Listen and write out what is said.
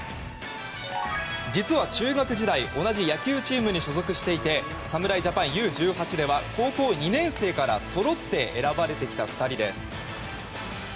実は中学時代同じ野球チームに所属していて侍ジャパンＵ‐１８では高校２年生からそろって選ばれてきた２人です。